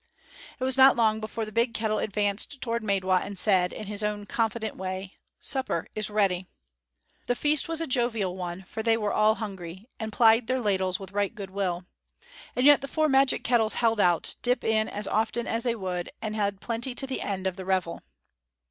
It was not long before the big kettle advanced toward Maidwa and said, in his own confident way, "Supper is ready!" The feast was a jovial one, for they were all hungry, and plied their ladles with right good will. And yet the four magic kettles held out, dip in as often as they would, and had plenty to the end of the revel.